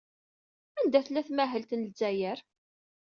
Anda tella tmahelt n Lezzayer?